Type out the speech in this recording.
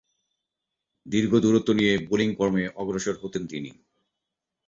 দীর্ঘ দূরত্ব নিয়ে বোলিং কর্মে অগ্রসর হতেন তিনি।